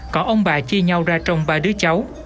còn ông bà chia nhau ra trong ba đứa cháu